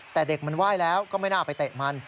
แต่เด็กมันไหว้แล้วก็ไม่น่าไปเตะมัน